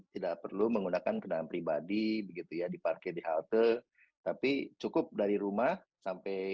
tidak perlu menggunakan kendaraan pribadi begitu ya diparkir di halte tapi cukup dari rumah sampai